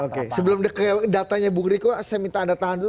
oke oke sebelum datanya bu grieco saya minta anda tahan dulu